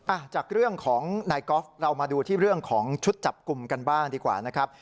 อ่ะจากเรื่องของนายกอล์ฟเรามาดูที่เรื่องของชุดจับกลุ่มกันบ้างดีกว่านะครับ